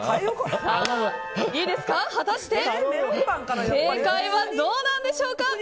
果たして正解はどうなんでしょうか。